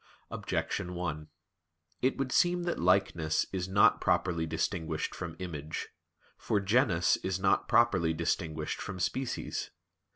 Objection 1: It would seem that "likeness" is not properly distinguished from "image." For genus is not properly distinguished from species.